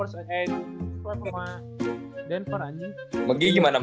swipe sama denver anjing